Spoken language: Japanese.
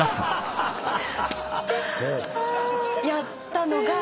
やったのが。